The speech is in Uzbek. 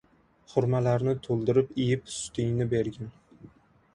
Xurmalarni to‘ldirib Iyib sutingni bergin.